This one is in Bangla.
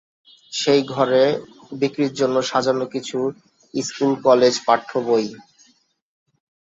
সেই ঘরে বিক্রির জন্যে সাজানো কিছু স্কুলকলেজপাঠ্য বই।